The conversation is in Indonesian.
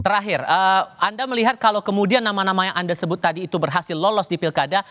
terakhir anda melihat kalau kemudian nama nama yang anda sebut tadi itu berhasil lolos di pilkada